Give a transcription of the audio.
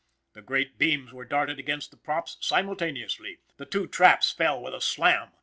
The great beams were darted against the props simultaneously. The two traps fell with a slam.